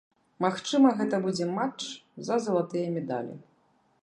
Магчыма, гэта будзе матч за залатыя медалі.